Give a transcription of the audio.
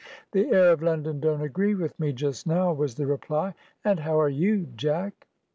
"The air of London don't agree with me just now," was the reply; "and how are you, Jack?"